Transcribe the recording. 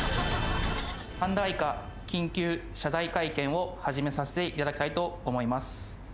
緊急謝罪会見を始めさせていただきたいと思います。